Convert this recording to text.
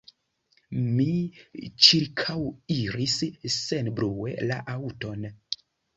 Mi ĉirkaŭiris senbrue la aŭton.